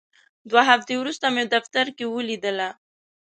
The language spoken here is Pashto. دوه هفتې وروسته مې دفتر کې ولیدله.